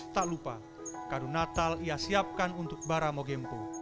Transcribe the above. tak lupa kadu natal ia siapkan untuk bara mogempo